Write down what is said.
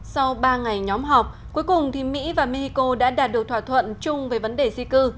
sau ba ngày nhóm họp cuối cùng thì mỹ và mexico đã đạt được thỏa thuận chung về vấn đề di cư